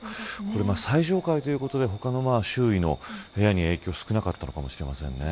最上階ということで他の周囲の部屋に影響が少なかったかもしれませんね。